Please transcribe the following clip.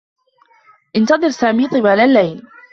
انتظر سامي طوال اللّيل.